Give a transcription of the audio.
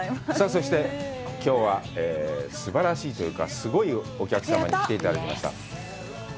そして、きょうは、すばらしいというか、すごいお客様に来ていただきました。